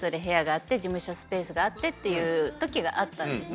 いう時があったんですね。